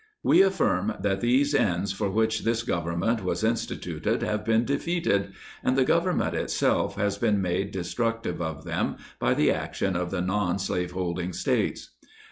We affirm, that these ends for which this Government was instituted have been defeated, and the Government itself has been made destructive of them by the action of the non slaveholding States.